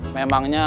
mereka mau ke taslim